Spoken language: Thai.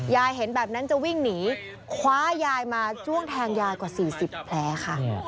เห็นแบบนั้นจะวิ่งหนีคว้ายายมาจ้วงแทงยายกว่า๔๐แผลค่ะ